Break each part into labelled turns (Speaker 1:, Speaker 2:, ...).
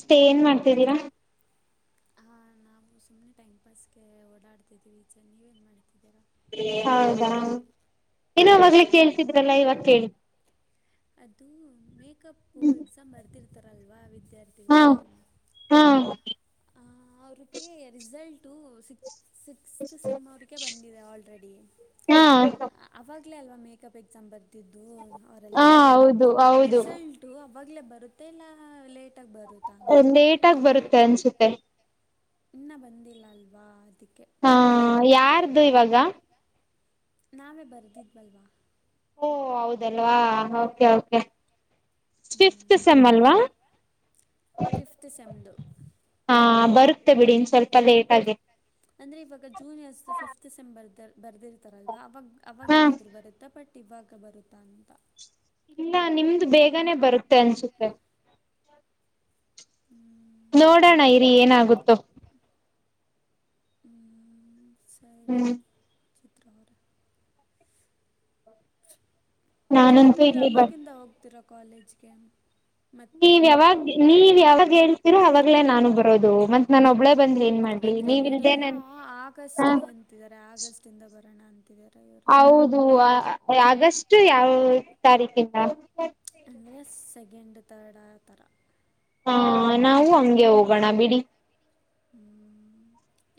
Speaker 1: Stay ಏನ್ ಮಾಡ್ತಿದೀರಾ
Speaker 2: ಹಾ ನಾವು ಸುಮನೆ ಟೈಮ್ ಪಾಸ್ಗೆ ಓಡಾಡ್ತಿದೀವಿ ಈಚೆ ನೀವೇನ್ ಮಾಡ್ತಿದ್ದೀರಾ.
Speaker 1: ಹೌದಾ [unintelligible]
Speaker 2: ಹ್ಞೂ
Speaker 1: ಏನವಾಗ್ಲೆ ಕೇಳ್ತಿದ್ರಲ್ಲ ಇವಾಗ ಕೇಳಿ.
Speaker 2: ಅದು ಮೇಕಪ್ಪು ಎಕ್ಸಾಮ್ ಬರ್ತಿರ್ತಾರಲ್ವಾ
Speaker 1: ಹಾ
Speaker 2: ವಿದ್ಯಾರ್ಥಿಗಳು
Speaker 1: ಹಾ
Speaker 2: ಆ ಅವ್ರಿಗೆ ರಿಸಲ್ಟು ಸಿಕ್ ಸಿಕ್ಸ್ತ್ ಸೆಮವರ್ಗೆ ಬಂದಿದೆ ಆಲ್ರೆಡಿ
Speaker 1: ಹಾ
Speaker 2: ಅವಾಗ್ ಇಲ ಅಲ್ವಾ ಮೇಕಪ್ ಎಕ್ಸಾಮ್ ಬರ್ತಿದ್ದು ಅವರೆಲ್ಲ
Speaker 1: ಹಾ ಹೌದು ಹೌದು
Speaker 2: ರೆಸುಲ್ಟು ಆವಾಗಲೇ ಬರುತ್ತೆ ಇಲ್ಲ ಲೇಟ್
Speaker 1: ಲೇಟ್ ಆಗ ಬರುತ್ತೆ ಅನ್ಸುತ್ತೆ
Speaker 2: ಇನ್ನ ಬಂದಿಲ್ಲ ಅಲ್ವಾ ಅದಕ್ಕೆ
Speaker 1: ಹಾ
Speaker 2: ಕೇಳಿದೆ
Speaker 1: ಯಾರ್ದು ಇವಾಗ
Speaker 2: ನಾವೇ ಬರ್ದಿದ್ವಲ್ವಾ
Speaker 1: ಓ ಹೌದಲ್ವಾೆೆ ಓಕೆ ಓಕೆ ಫ
Speaker 2: ಹ್ಞೂ
Speaker 1: ಸೆಮ್ಮಲ್ವಾ
Speaker 2: ಫಿಫ್ತ್ ಸೆಮ್ದು
Speaker 1: ಹ ಬರುತ್ತೆ ಬಿಡಿ ಇನ್ ಸ್ವಲ್ಪ ಲೇಟ್ ಆಗಿ
Speaker 2: ಅಂದ್ರೆ ಇವಾಗ ಜೂನ್ ಎಸ್ ಫಿಫ್ತ್ಿಸೆಂಬರ್ಲ್ಲಿ ಬರ್ದಿರ್ತಾರಲ್ವಾ ಅವಾಗ
Speaker 1: ಹಾ
Speaker 2: ಅವಾಗೇಏನಾದ್ರು ಬರುತ್ತೆ ಬಟ್ ಇವಾಗ ಬರುತ್ತಾ ಅಂತ
Speaker 1: ಇಲ್ಲ ನಿಮ್ದು ಬೇಗನೆ ಬರುತ್ತೆ ಅನ್ಸುತ್ತೆ
Speaker 2: ಹ್ಮ್
Speaker 1: ನೋಡೋಣ ಇರಿ ಏನಾಗುತ್ತೋ
Speaker 2: ಶಾರೀರಿ
Speaker 1: ಹ್ಮ್
Speaker 2: ಚ ಮತ್ತೆ
Speaker 1: ನಾನಂತೂ
Speaker 2: ನೀವು
Speaker 1: ಇಲ್ಲಿ ಬರ್
Speaker 2: ಯಾವಾಗಿಂದ ಹೋಗ್ತೀರಾ ಕಾಲೇಜ್ಗೆ ಮತ್ತೆ
Speaker 1: ನೀವ್ ಯಾವಾಗ್ ನೀವ್ ಯಾವಾಗ ಹೇಳ್ತಿೀರೋ ಅವಾಗ್ಲೇ ನಾನು ಬರೋದು ಮತ್ ನಾನ ಒಬ್ಬಳೇ ಬಂದ್ ಏನ್ ಮಾಡ್ಲಿ
Speaker 2: ಅಂದ್ರೆ
Speaker 1: ನೀವಿಲ್ದೆ
Speaker 2: ಇವರೆಲ್ಲಾ
Speaker 1: ನನ್ ಹ
Speaker 2: ಆಗಸ್ಟ್ಗೆ ಅಂತಿದ್ದಾರೆ ಆಗಸ್ಟ್ ಇಂದ ಬರೋಣ ಅಂತ
Speaker 1: ಹೌದು ಆಗಸ್ಟ್ ಯಾವ ತಾರೀಕಿಂದ
Speaker 2: ಅಂದರೆ ಸೆಕೆಂಡ್ ತರ್ಡ್ ಆ ಥರ
Speaker 1: ಹಾ ನಾವು ಹಂಗೆ ಹೋಗೋಣ ಬಿಡಿ
Speaker 2: ಹ್ಮ್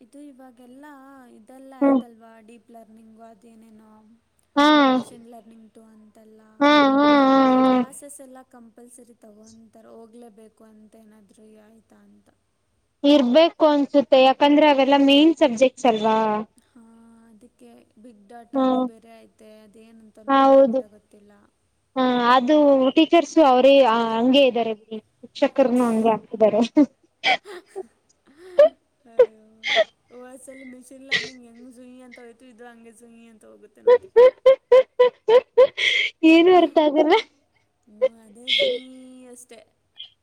Speaker 2: ಇದು ಇವಾಗೆಲ್ಲಾ ಇದೆಲ್ಲ
Speaker 1: ಹ್ಮ
Speaker 2: ಆಯ್ತಲ್ವಾ ಡಿೀಪ್ ಲರ್ನಿಂಗು ಅದ ಏನೇನೋ
Speaker 1: ಹಾ
Speaker 2: ಮಿಷಿನ್ ಲರ್ನಿಂಗ್
Speaker 1: ಹಾ ಹಾ ಹಾ
Speaker 2: ಅಂದ್ರೆ
Speaker 1: ಹಾ
Speaker 2: ಕ್ಲಾಸಸ್ ಎಲ್ಲ ಕಂ ಕಂಪಲ್ಸರಿ ತಗೊಂತಾರೆ ಹೋಗ್ಲೇಬೇಕು ಅಂತ ಏನಾದ್ೂ ಆಯ್ತಾ ಅಂತ
Speaker 1: ಇರ್ಬೇಕು ಅನ್ಸುತ್ತೆ ಯಾಕಂದ್ರೆ ಅವೆಲ್ಲಾ ಮೇನ್ ಸಬ್ಜೆಕ್ಟ್ಸ್ ಅಲ್ವಾ
Speaker 2: ಹಾಂ ಅದಕ್ಕೆ ಬಿಗ್
Speaker 1: ಹ್ಮ
Speaker 2: ಡಾಟಾ ಅದು ಬೇರೆ ಐತೆ ಅದೇನಂತಲೂ ತಲೆ
Speaker 1: ಹೌದು
Speaker 2: ಬಿಿಡೋ ಗೊತ್ತಿಲ್ಲ
Speaker 1: ಹ ಅದು ಟೀಚರ್ಸು ಅವ್ರೇ ಹಂಗಗೆ ಇದ್ದಾರೆ ಶಿಕ್ಷಕರನು ಹಂಗೆ ಹಾಕ್ತಿದ್ದಾರೆ
Speaker 2: ಹಯ ಓಲ್ಲಿ ಮಿಷನ್ಲ್ಲರ್ನಂಗ್ಂಗ ೋಯ್ತು ಇದು ಹಂಗೆಸ ಈಿ ಅಂತ ಹೋಗುತ್ತೆ ನೋಡ್ರಿ
Speaker 1: ಹ
Speaker 2: ಹ್ಮ ಅದೇ ಜೂಯೀ ಅಷ್ಟೇ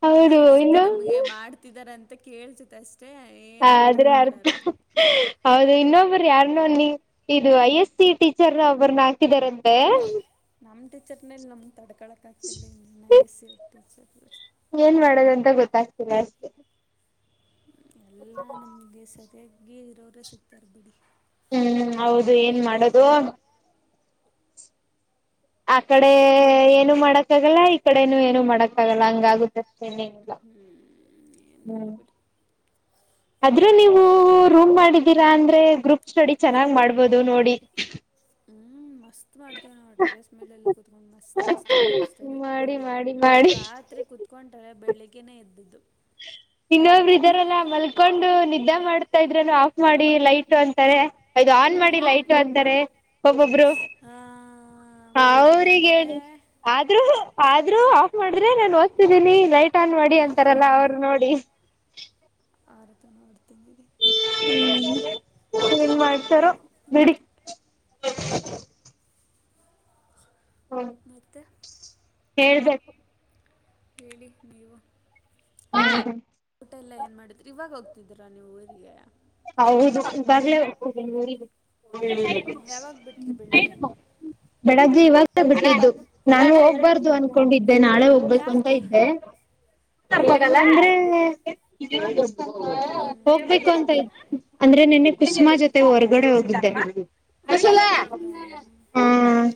Speaker 1: ಹೌದು
Speaker 2: ಕೇಳ್ಸುತ್ತ
Speaker 1: ಇನ್ನು
Speaker 2: ನಮ್ಗೆ ಮಾಡ್ತಿದಾರ ಅಂತ ಕೇಳ್ಸುತ್ತ ಅ
Speaker 1: ಹ ಆದ್ರೆ ಅರ್ಥ ಹೌದು ಇನ್ನೊಬ್ಬ್ರ ಯಾರ್ನೋ ನೀ ಇದು ಯ ಎಸ್ ಟೀಚರ್ ನ ಒಬರನ್ನ ಹಾಕಿದಾರಂತೆ
Speaker 2: ನಮ್ ಟೀಚರ್ನಲ್ ನಮ್ದ ತಡ್ಕಳಕ್ ಆಗ್ತಿಲ್ಲ ಇ ಎ ಸಿರ್ ಟೀಚರ್
Speaker 1: ಏನ್ ಮಾಡೋದಂತ ಗೊತ್ತಾಗ್ತಿಲ್ಲ ಅಷ್ಟೇ
Speaker 2: ಎಲ್ಲಾ ನಮ್ಗೆ ಸರಿಯಾಗಿ ಇರೋರ ಸಿಗ್ತಾರ ಬಿಡಿ
Speaker 1: ಹ್ಮ್ ಹೌದು ಏನ್ ಮಾಡದು ಆ ಕಡೆ
Speaker 2: ಹೌದು
Speaker 1: ಏನು ಮಾಡಕ್ಕ ಆಗಲ್ಲ ಈ ಕಡೆನು ಏನು ಮಾಡಕ್ಕ ಆಗಲ್ಲ ಹಂಗಾಗುತ್ತೆ ಸನ್ನ
Speaker 2: ಹ್ಞೂ ಏನಿಲ್ಲ
Speaker 1: ಹ್ಮ್
Speaker 2: ಬಿಡಿ
Speaker 1: ಅದ್ರ ನೀವು ರೂಮ್ ಮಾಡಿದ್ದೀರಾ ಅಂದ್ರೆ ಗ್ರೂಪ್ ಸ್ಟಡಿ ಚೆನ್ನಾಗ್ ಮಾಡ್ಬೋದು ನೋಡಿ
Speaker 2: ಹ್ಞೂ ಮಸ್ತ್ ಮಾಡ್ತೇವಿ ನಾವು ಡ್ರೆಸ್ ಮೇಲೆಲ್ಲ ಕತ್ಕೊಂಡ್ ಮಸ್ತ್ ಮಸ್ತ್ ಗ್ರೂಪ್ ಸ್ಟಡಿ
Speaker 1: ಮಾಡಿ ಮಾಡಿ ಮಾಡಿ
Speaker 2: ಬೆಳಿಗ್ಗೆತ್ ಕುತ್ಕೊೊಂಡರೆ ಬೆಳಗ್ನೇ ಇದ್ದದ್ದು
Speaker 1: ಹ ಇನ್ನೊಬ್ಬರು ಇದಾರಲ್ಲ ಮಲ್ಕೊಂಡು ನಿದ್ದೆ ಮಾಡ್ತಾ ಇದ್ರನು ಆಫ್ ಮಾಡಿ ಲೈಟ್ ಅಂತಾರೆ ಅಯದು ಆನ್ ಮಾಡಿ
Speaker 2: ಯಾರು
Speaker 1: ಲೈಟ್ ಅಂತಾರೆ ಹೋಗೊಬ್ರು ಹ ಅವ್ರಗ
Speaker 2: ಮಲ್ಕೊಂಡಿರ್ತಾರೆ
Speaker 1: ಹೇಳಿ ಆದ್ರೂ ಆದ್ರೂ ಆಫ್ ಮಾಡಿದ್ರೆ ನಾನು ಓದ್ತಿದ್ದೀನಿ ಲೈಟ್ ಆನ್ ಮಾಡಿ ಅಂತಾರಲ್ಲ ಅವರು ಹ
Speaker 2: ಆರ ತ ಮಾಡೋತಿ
Speaker 1: ಹ್ಮ್ [unintelligible] ಏನ್ ಮಾಡ್ತಾರೋ ಬಿಡಿ
Speaker 2: ಮತ್ತು
Speaker 1: ಹೇಳ್ಬೇಕು
Speaker 2: ಹೇಳಿ ನೀವು ಮತ್ತೆ ಊಟ ಎಲ್ಲ ಏನ್ ಮಾಡಿದ್ರಿ ಇವಾಗ ಹೋಗ್ತ ಇಧರ ನೀವುರಿ
Speaker 1: ಹೌದು
Speaker 2: ಯಾವಾಗ ಬಿಟ್ರಿ ಬೆಳಿಗ್ಗೆ
Speaker 1: ಈಾಗಲ ಬಡಗ್ಗೆ ಇವಾಗ ಬಿಟ್ಟಿದ್ದು ನಾು ಹೋಗ್ಬಾರ್ದು
Speaker 2: ಇವಾಗ
Speaker 1: ಅನ್ಕೊಂಡಿದ್ದೆ ನಾಳೆ ಹೋಗ್ಬೇಕು ಅಂತ
Speaker 2: ಯಾಕೆ
Speaker 1: ಇದ್ದೆ ಾಗಲ್ಲ
Speaker 2: ಹಾಂ
Speaker 1: ಅಂದ್ರೆ
Speaker 2: ಹ್ಞೂ
Speaker 1: ಹೋಗ್ಬೇಕು
Speaker 2: ಅಂದರೆ
Speaker 1: ಅಂತ ಇ ಅಂದ್ರೆ ನಿೆನ್ನೆ ಕುಸುಮಾ ಜೊತೆ ಹೊರ್ಗಡೆ ಹೋಗಿದ್ದೆ
Speaker 2: ಹೌದಾ
Speaker 1: ಹ್ಮ್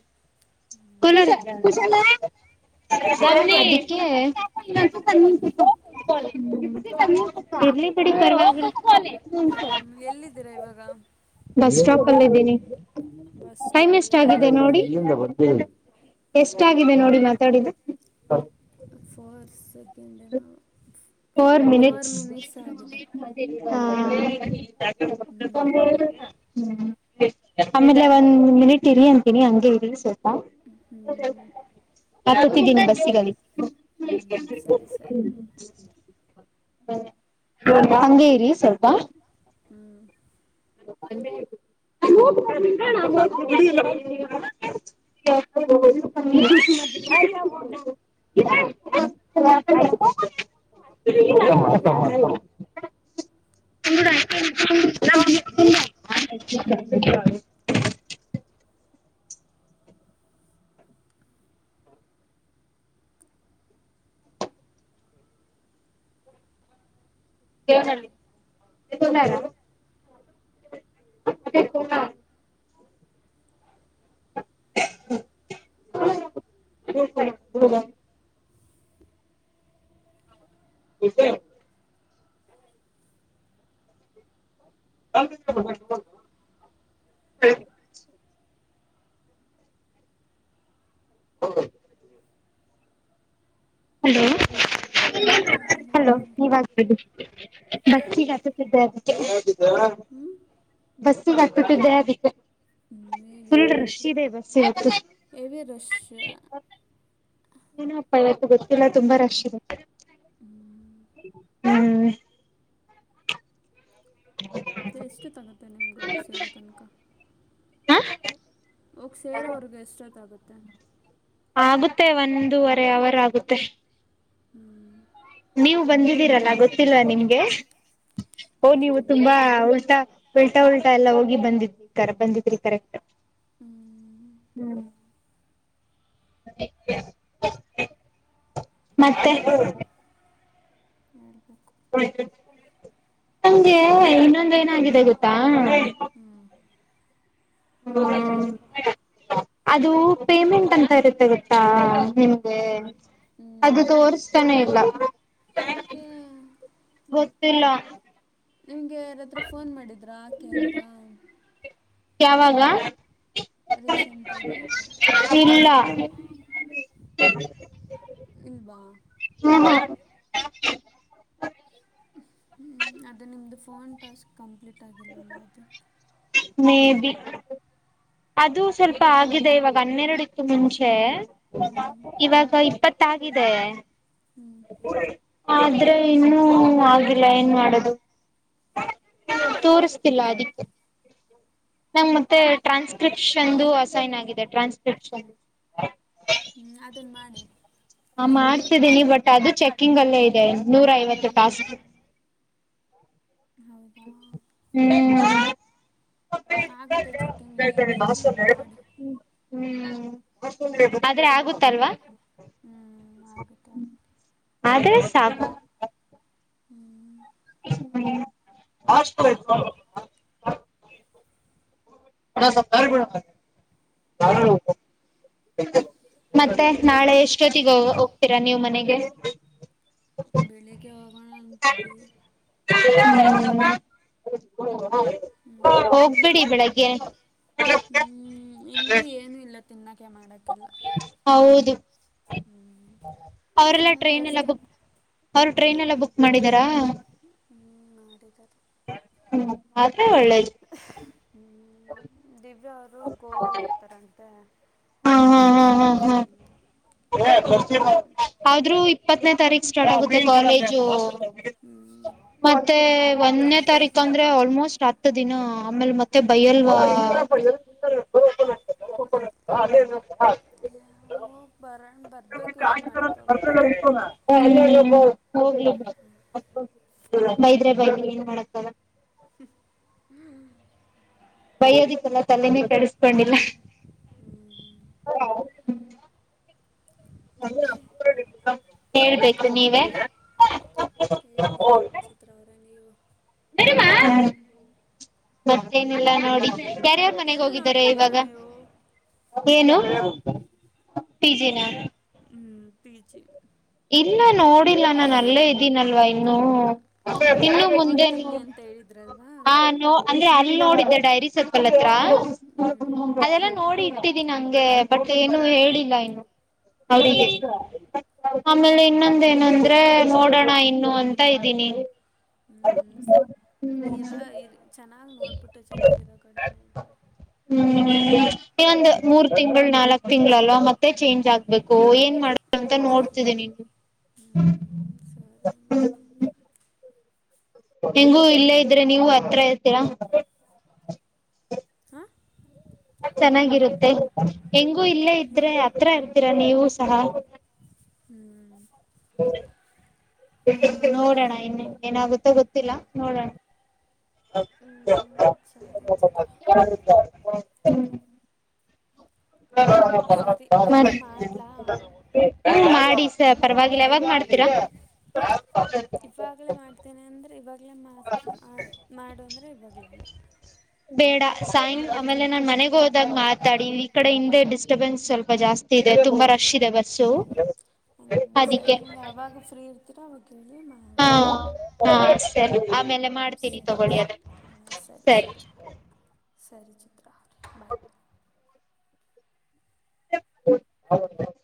Speaker 1: [inaudible] ಕ ಲಿ
Speaker 2: ಹ್ಞೂ ಹ್ಮ್ ಎಲ್ಲಿದ್ದೀರಾ ಇವಾಗ
Speaker 1: ಬಸ್ ಸಾಪ್ ಅಲ್ಲಿ ಇದೀನಿ
Speaker 2: ಬಸ್
Speaker 1: ಟೈಮ್ ಎಷ್ಟ ಆ
Speaker 2: ಸ್ಟಾಪಲ್ಲಿದ್ದೀರಾ
Speaker 1: ನೋಡಿ
Speaker 2: ಹ್ಮ್
Speaker 1: ಎಷ್ಟಾಗಿದೆ ನೋಡಿ ಮಾತಾಡಿದ
Speaker 2: ಫೋರ್ಸ್
Speaker 1: ಹ್ಮ ಫೋರ್ ಮಿನಿಟ್ಸ್ ಹ
Speaker 2: ಹ್ಮ್
Speaker 1: ಹ್ಮ್ ಆಮೇಲೆ ಒಂದ್ ಮಿನಿಟ್ ಇರಿ ಅಂತೀನಿ ಹಂಗಗೆ ಇ ಸವಲ್
Speaker 2: ಹ್ಮ್
Speaker 1: ಆ ಪ್ರತಿದಿನ ಬಸ್ಸಿಗ ಹ್ಮ
Speaker 2: ಹ್ಮ್ ಸರಿ ಸರಿ
Speaker 1: ಹಂಗೇರಿ ಸ್ವಲ್ಪ
Speaker 2: ಹ್ಮ್ [unintelligible]
Speaker 1: [inaudible] [inaudible] [inaudible] [inaudible] [inaudible] ಕೇಳ್ ಅದ ಹ ಹ ಸ ಅ ಹೌ ಹಲೋ
Speaker 2: ಹಾಂ
Speaker 1: ಹಲೋ
Speaker 2: ಹೇಳಿ
Speaker 1: ನೀವ್ಗ್ಬದು ಬಸ್ಸಿಿಗೆ
Speaker 2: ಹೇಳಿ
Speaker 1: ಹಾತತಿದ್ದೆ ಅದಕ್ಕೆ
Speaker 2: ಹ್ಮ್
Speaker 1: ಬಸ್ಸಿಿಗೆ ಹಾಕ್ತತಿದ್ದೆ ಅದಕ್ಕೆ
Speaker 2: ಹ್ಮ್ ಹೇಳಿ
Speaker 1: ಫುಲ್
Speaker 2: ಹೇಳಿ
Speaker 1: ರಶ್
Speaker 2: ಸರ್
Speaker 1: ಇದೆ ಬಸ್ ಇವತ್ತು
Speaker 2: ಹೆವಿ ರಶ್
Speaker 1: ಪ್ಪ ಇವತ್ತುು ಗೊತ್ತಿಲ್ಲ ತುಂಬಾ ರಶ್ ಇದೆ ಹ್ಮ್
Speaker 2: ಮತ್ತೆ ಎಷ್ಟು ತಗತ್ತೆ ನಿಮ್ಗೆ ಹೋಗ್ ಸೇರೋ ತನಕ
Speaker 1: ಹಾ
Speaker 2: ಹೋಗ ಸೇರೋವರ್ಗ ಎಷ್ಟೊತ್ತಾಗುತ್ತೆ
Speaker 1: ಮತ್ತೆ ಒಂದೊಂದೂುವರೆ ಅವರ್ ಆಗುತ್ತೆ
Speaker 2: ಹ್ಮ್
Speaker 1: ನೀವು ಬಂದಿದ್ದೀರಲ್ಲ ಗೊತ್ತಿಲ್ಲ ನಿಮ್ಗೆ ಓ ನೀವು ತುಂಬಾ
Speaker 2: ಮರ್ತೋಗ್ಬಿಟ್ಟಿದೆ
Speaker 1: ಉಲ್ಟಾ ಉಲ್ಟಾ ಉಲ್ಟಾ ಎಲ್ಲಾ ಹೋಗಿ ಬಂದರ ಬಂದಿದ್ರಿ ಕರೆಕ್ಟ್
Speaker 2: ಹ್ಞೂ
Speaker 1: ಹ್ಮ್ ಮತ್ತೆ
Speaker 2: ಹ್ಮ
Speaker 1: ನಂಗೆ ಇನ್ನೊಂದ ಏನಾಗಿದೆ ಗೊತ್ತಾ
Speaker 2: ಹ್ಮ್ ಹೇಳಿ
Speaker 1: ಹ ಅದು ಪೇಮೆಂಟ್ ಅಂತ ಇರುತ್ತೆ ಗೊತ್ತಾ ನಿಮಗೆ
Speaker 2: ಹ್ಮ್
Speaker 1: ಅದು ತೋಸ್ತಾನೆ ಇಲ್ಲ
Speaker 2: ಏಕೆ
Speaker 1: ಇಲ್ಲ
Speaker 2: ನಿಮ್ಗೆ ಯಾರಾದ್ರೂ ಫೋನ್ ಮಾಡಿದ್ರ ಆಕೆ ಅಂತ
Speaker 1: ಯಾವಾಗ
Speaker 2: ರೀಸೆಂಟಾಗಿ
Speaker 1: ಇಲ್ಲ
Speaker 2: ಇಲ್ಬ
Speaker 1: ಹ [unintelligible]
Speaker 2: ಅದು ನಿಮ್ಮ್ದದು ಫಾರನ್ ಟಾಸ್ಕ್ ಕಂಪ್ಲೀಟ್ ಆಗಿಲ್ಲಲ್ಲ ಅದು
Speaker 1: ಮೇ ಬಿ ಅದು ಸ್ವಲ್ಪ
Speaker 2: ಹ್ಮ್
Speaker 1: ಆಗಿದೆ ಇವಾಗ ಹನ್ನೆರಡುಕ್ಕ ಮುಂಚೆ
Speaker 2: ಹ್ಮ್
Speaker 1: ಇವಾಗ ಇಪ್ಪ ಗತ್ತ
Speaker 2: ಹ್ಮ್
Speaker 1: ಆದ್ರೆ ಇನ್ನು ಹ್ಮ ಆಗಿಲ್ಲ ಏನ್ ಮಾಡದು ತೋರಿಸ್ತಿಲ್ಲ ಅದಕ್ಕೆ ನಮ ಮತ್ತೆ ಟ್ರಾನ್ಸ್ಕ್ರಿಪ್ಷನ್ ಅಸೈನ್ ಆಗಿದೆ ಟ್ರಾನ್ಸ್ಕ್ರಿಪ್ಷನ್
Speaker 2: ಹ್ಞೂ ಅದನ್ನು ಮಾಡಿ
Speaker 1: ಹಾ ಮಾಡ್ತಿದ್ದೀನಿ ಬಟ್ ಅದು ಚೆಕ್ಕಿಂಗ್ ಅಲ್ಲೇ ಇದೆ ನೂರ ಐವತ್ತು ಕಸ್
Speaker 2: ಹೌದಾ
Speaker 1: ಹ್ಮ್
Speaker 2: ಆಗತ್ತೆ
Speaker 1: ಹ್ಮ್
Speaker 2: ಚೆಕಿಂಗ್ ಲೇಟ ಆಗಿ ಮಾಡಿ
Speaker 1: ಹ್ಮ್ ಆದ್ರೆ ಆಗುತ್ತಲ್ವಾ
Speaker 2: ಹ್ಮ್ ಹಾಗುತ್ತ
Speaker 1: ಆದ್ರೆ ಸಾಕು
Speaker 2: ಹ್ಮ್
Speaker 1: ಹ್ಮಷ್ಟ ಆಯ್ [unintelligible] ಅಣ್ಣ ಸ್ವಲ್ಪ ದಾರಿಬಿಡು ಮತ್ತೆ ನಾಳೆ ಎಷ್ಟೊತ್ತಿಗೆೋಗ ಹೋಗ್ತೀರಾ ನೀವು ಮನೆಗೆ
Speaker 2: ಬೆಳಗ್ಗೆ ಹೋಗ
Speaker 1: ಹಮ್
Speaker 2: ಹ್ಞೂ
Speaker 1: ಹೋಗ್ಬಿಡಿ ಬೆಳಗ್ಗೆ
Speaker 2: ತಿನ್ನೋಕ್ಕೆೆ ಮಾಡೋಕ್ಕಲ್ಲ
Speaker 1: ಹೌದು ಅವರೆಲ್ಲ
Speaker 2: ಸುಮ್ಮನೆ
Speaker 1: ಟ್ರೈನ್ ಎಲ್ಲ
Speaker 2: ಎಷ್ಟು
Speaker 1: ಬ
Speaker 2: ಅಂತ
Speaker 1: ಅವ್ರು ಟ್ರೈನ್ ಎಲ್ಲ ಬುಕ್ ಮಾಡಿದಾರಾ
Speaker 2: ಹ್ಮ್ ಮಾಡಿದ್ದಾರೆ
Speaker 1: ಹ್ಮ
Speaker 2: ಹ್ಮ್ ದಿವ್ಯಾ ಅವರು ಗೋವಾಗ ಹೋಗ್ತಾರಂತೆ
Speaker 1: ಹಾ ಹಾ ಹಾ ಹ
Speaker 2: ಹ್ಞೂ
Speaker 1: ಹ ಇಪ್ಪತ್ತನೇ ತಾರೀಕ ಸ್ಟಾರ್ಟ್ ಆಗುದು ಕಾಲೇಜು ಮತ್ತೆ ಒಂದನೇ ತಾರೀಕ್ ಬಕಂದ್ರೆ ಆಲ್ಮೋಸ್ಟ್ ಹತ್ ದಿನ ಆಮೇಲ್ ಮತ್ತೆ ಬೈಯಲ್ವಾ ಹಾ
Speaker 2: ಹ್ಞೂ ಹೋಗಿ ಬರೋಣ
Speaker 1: ಹಾ
Speaker 2: ಬರಬೇಕು ಏನು ಮಾಡೋಕ್ಕಾಗುತ್ತೆ
Speaker 1: ರ್ [unintelligible] ಹೋಗ ಬೈದ್ರೆ ಬೈದ್ರೆ ಏನ್ ಮಾಡತದ
Speaker 2: ಹ್ಮ್
Speaker 1: ಬೈ ಅದಿಕ್ಕಲ್ಲ ತಲೆನೇ ಕಡಸ್ಕೊಂಡಿಲ್ಲ
Speaker 2: ಹ್ಞೂ
Speaker 1: ಹ
Speaker 2: ಮತ್ತೆ
Speaker 1: ಹೇಳ್ಬೇಕು ನೀವೇ
Speaker 2: ಹೇಳಿ ಚಿತ್ರವರ ನೀವು
Speaker 1: ಹ ಮತ್ತೇನಿಲ್ಲ ನೋಡಿ ಯರೆ ಮನೆಗೆ
Speaker 2: ಎಲ್ಲಿ
Speaker 1: ಹೋಗಿದ್ದಾರೆ ಇವಾಗ
Speaker 2: ನೋಡ್ತಿದ್ದೀರಾ ನೀವು
Speaker 1: ಏನು ಪಿ ಜನಾ
Speaker 2: ಹ್ಮ್ ಪೀಜಿ
Speaker 1: ಇಲ್ಲ ನೋಡಿಲ್ಲ ನಾನು ಅಲ್ಲೇ ಇದ್ದೀನಲ್ವಾ ಇನ್ನುೂ
Speaker 2: ಅಂದರೆ
Speaker 1: ಇನ್ನು ಮುಂದೆ ನೋ
Speaker 2: ನೋಡ್ತೀನಿ ಅಂತ ಹೇಳಿದ್ರಲ್ವಾ
Speaker 1: ಹ ನೋ ಅಂದ್ರೆ ನೋಡ ಡೈರಿ ಸ
Speaker 2: ಹ್ಞೂ
Speaker 1: ನೋ ಮಾಡತಿದ್ದೀಿ ನಂಗೆ ಬಟ್ ಏನು ಹೇಳಿಲ್ಲ ಇನ್ನು ಅವರಿಗೆ
Speaker 2: ಹ್ಞೂ
Speaker 1: ಆಮೇಲೆ ಇನ್ನೊಂದ ಏನಂದ್ರೆ ನೋಡೋಣ ಇನ್ನು ಅಂತ ಇದ್ದೀನಿ ಅದ
Speaker 2: ಹ್ಮ್ ಸ್ ಇರೋ ಇ ಚೆನ್ನಾಗ್ ನೋಡ್ಬಿಟ್ಟೆ ಚೆನ್ನಾಗಿ ಇರೋ ಕಡೆ
Speaker 1: ಹ್ಮ್ ಒಂದ್ ಮೂರ್ ತಿಂಗಳು ನಾಲ್ಕ್ ತಿಂಗಳಲ್ಲ ಮತ್ತೆ ಚೇಂಜ್ ಆಗ್ಬೇಕು ಏನ್ ಮಾಡ ಅಂತ ನೋಡ್ತಿದೆ ನೀವು
Speaker 2: ಹ್ಮ್ ಸರಿ ಅಂಬ
Speaker 1: ಹ್ಮ ಹೆಂಗು ಇಲ್ಲೇ ಇದ್ರೆ ನೀವು ಹತ್ರ ಇರ್ತೀರಾ
Speaker 2: ಹಾ
Speaker 1: ಚೆನ್ನಾಗಿರುತ್ತೆ ಹೆಂಗೂ ಇಲ್ಲೇ ಇದ್ರೆ ಹತ್ರ ಇರ್ತೀರಾ ನೀವು ಸಹ
Speaker 2: ಹ್ಮ್
Speaker 1: ನೋಡೋಣ ಇನ್ನು ಏನಾಗುತ್ತೋ ಗೊತ್ತಿಲ್ಲ ನೋಡೋಣ
Speaker 2: ಹ್ಮ್ ಸರಿ ಚಿತ್ರ
Speaker 1: [inaudible]
Speaker 2: ಸರಿ ಮತ್ತೆ ಮಾಡ್ಲಾ
Speaker 1: ಮಾಡಿ ಪರವಾಗಿಲ್ಲ ಯಾವಾಗ್ ಮಾಡ್ತೀರಾ
Speaker 2: ಈಾಗಲೇ ಮಾತು ಮಾಡು ಅಂದರೆೆ ಇವಾಗಲೇ
Speaker 1: ಬೇಡ ಸಾಯಂ ಆಮೇಲೆ ನಾನ್ ಮನೆಗ ಹೋದಾಗ ಮಾತಾಡಿ ಈ ಕಡೆ ಹಿಂದೆ ಡಿಸ್ಟರ್ಬೆನ್ಸ್ ಸ್ವಲ್ಪ ಜಾಸ್ತಿ ತುಂಬಾ ರಶ್ ಇದೆ ಬಸ್ಸು
Speaker 2: ಹ ಸರಿ
Speaker 1: ಅದಿಕ್ಕೆ
Speaker 2: ನಿಮ್ ಯಾವಾಗ ಫ್ರೀ ಇರ್ತೀರಾ ಅವಾಗ ಹೇಳಿ
Speaker 1: ಹಾ
Speaker 2: ಮಾಡು
Speaker 1: ಹಾ ಸರಿ ಆಮೇಲೆ ಮಾಡ್ತೀನಿ
Speaker 2: ಸರಿ
Speaker 1: ತಗೊಳ್ಳಿ ಅ
Speaker 2: ಸರಿ ಹಾಂ
Speaker 1: ಸರಿ
Speaker 2: ಸರಿ ಚಿತ್ರಾ ಬಾಯ್
Speaker 1: ೌ